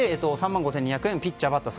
３万５２００円ピッチャー、バッター